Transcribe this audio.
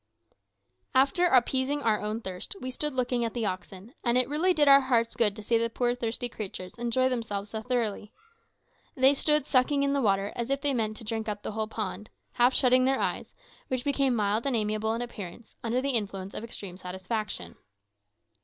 After appeasing our own thirst we stood looking at the oxen, and it really did our hearts good to see the poor thirsty creatures enjoy themselves so thoroughly. They stood sucking in the water as if they meant to drink up the whole pond, half shutting their eyes, which became mild and amiable in appearance under the influence of extreme satisfaction.